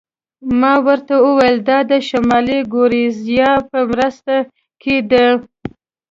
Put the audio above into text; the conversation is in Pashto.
ما ورته وویل: دا د شمالي ګوریزیا په سیمه کې ده.